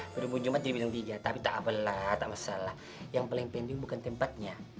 ke tujuh puluh empat di bintang tiga tapi tak apalah tak masalah yang paling penting bukan tempatnya